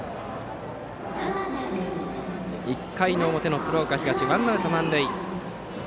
１回の表の鶴岡東ワンアウト満塁。